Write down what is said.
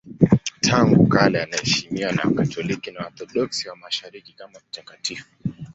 Tangu kale anaheshimiwa na Wakatoliki na Waorthodoksi wa Mashariki kama mtakatifu.